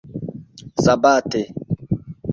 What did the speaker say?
sabate